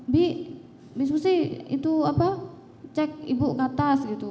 bi diskusi itu apa cek ibu ke atas gitu